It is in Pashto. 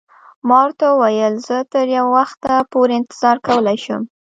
ما ورته وویل: زه تر یو وخته پورې انتظار کولای شم.